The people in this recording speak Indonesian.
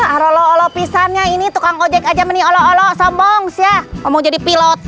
arlo pisangnya ini tukang ojek aja meniolo olo sombong siah mau jadi pilot